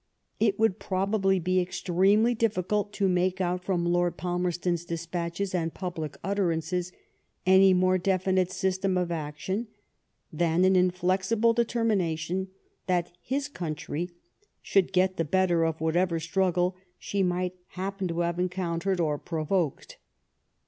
It would probably be extremely difficult to make out from Lord Palmerston^s despatches and public utterances any more definite system of action than an inflexible determination that his country sliould get the better of whatever struggle she might happen to have encoun tered or provoked.